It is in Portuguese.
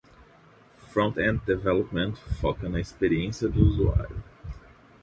Front-end Development foca na experiência do usuário.